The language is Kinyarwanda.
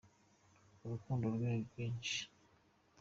Urukundo rwe ni rwinshi.